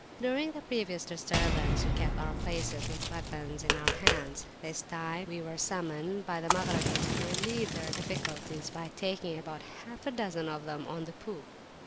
During the previous disturbance we kept our places with weapons in our hands. This time we were summoned by the Maghrabis to relieve their difficulties, by taking about half a dozen of them on the poop.